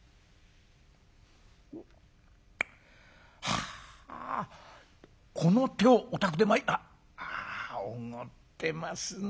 「はあこのお宅ではあおごってますな。